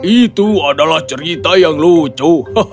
itu adalah cerita yang lucu